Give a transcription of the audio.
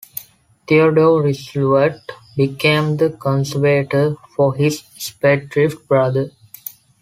Theodore Roosevelt became the conservator for his spendthrift brother.